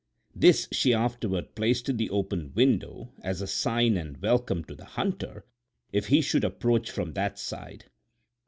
This she afterward placed in the open window as a sign and welcome to the hunter if he should approach from that side.